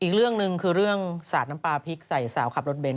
อีกเรื่องหนึ่งคือเรื่องสาดน้ำปลาพริกใส่สาวขับรถเบนท